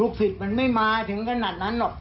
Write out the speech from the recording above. ลูกศิษย์ไม่มาถึงขนาดนั้นด้ว